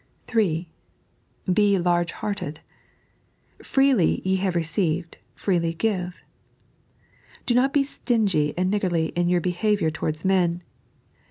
(3) Be large hearted. " fVeely ye have received, freely give." Do not be stingy and niggardly in your behaviour towards men.